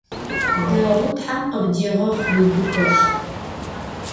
Дэгъу, тхьэм къыбдегъэхъу уигухэлъ!